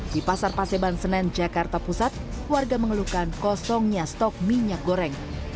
di pasar paseban senen jakarta pusat warga mengeluhkan kosongnya stok minyak goreng